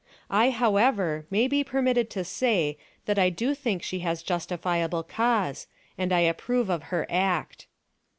I, however, may be permitted to say that I do think she has justifiable cause, and I approve of her act.